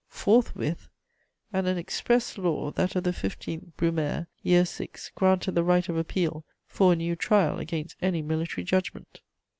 FORTHWITH! And an express law, that of the 15 Brumaire, Year VI, granted the right of appeal for a new trial against any military judgment!"